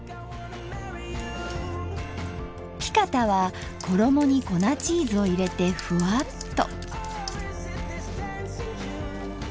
ピカタは衣に粉チーズを入れてふわっと。